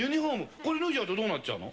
これ、脱いじゃうとどうなっちゃうの？